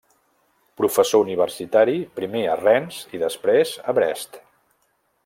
Professor universitari, primer a Rennes i després a Brest.